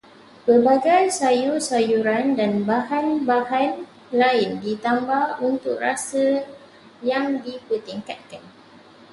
Pelbagai sayur-sayuran dan bahan-bahan lain ditambah untuk rasa yang dipertingkatkan